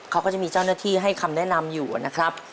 เขาก็จะมีเจ้าหน้าที่ให้คำแนะนำอยู่นะครับ